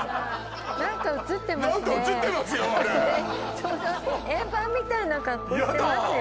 ちょうど円盤みたいな格好してますよ